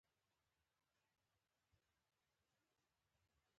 د علي په سترګو شمګوري ده، د شپې له طرفه هېڅ شی نه ویني.